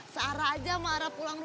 searah aja marah pulang dulu